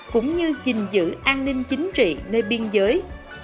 cũng như gìn giữ an ninh chính trị nơi biên giới